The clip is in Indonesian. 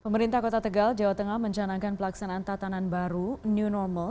pemerintah kota tegal jawa tengah mencanangkan pelaksanaan tatanan baru new normal